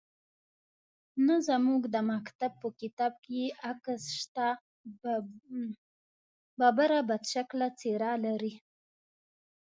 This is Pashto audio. _نه، زموږ د مکتب په کتاب کې يې عکس شته. ببره، بدشکله څېره لري.